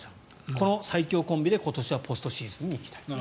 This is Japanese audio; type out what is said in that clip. この最強コンビで今年はポストシーズンに行きたい。